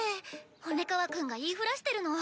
骨川くんが言いふらしてるの。